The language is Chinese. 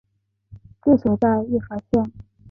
治所在溢乐县。